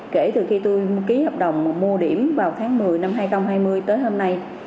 kể từ khi tôi ký hợp đồng mua điểm vào tháng một mươi năm hai nghìn hai mươi tới hôm nay